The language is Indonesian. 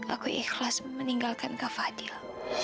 aku ikhlas meninggalkan kak fadil